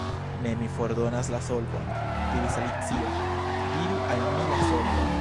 "Ne, mi fordonas la solvon," diris Alicio. "Diru al mi la solvon."